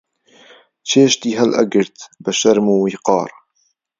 چێشتی هەڵئەگرت بە شەرم و ویقار